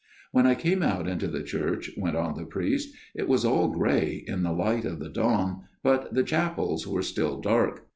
" When I came out into the church," went on the priest, " it was all grey in the light of the dawn, but the chapels were still dark.